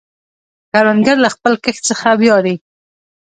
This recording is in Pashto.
کروندګر له خپل کښت څخه ویاړي